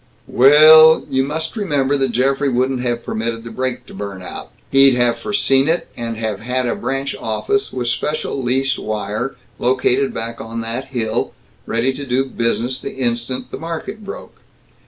"We ul, you must remember that Geoffrey wouldn't have permitted the brake to burn out. He'd have foreseen it, and have had a branch office, with special leased wire, located back on that hill, ready to do business the instant the market broke.